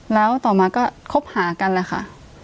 แล้วต่อมาก็คบหากันแหละค่ะ